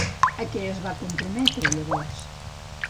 A què es va comprometre llavors?